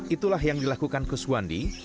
itulah yang dilakukan kuswandi